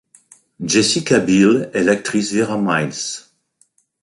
Jessica Biel est l'actrice Vera Miles.